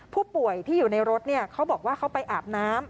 ผู้ป่วยที่อยู่ในรถเขาบอกว่าเขาไปอาบน้ำ